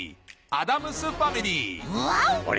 アダムス・ファミリー』ワオ！